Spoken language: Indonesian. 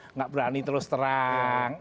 nggak berani terus terang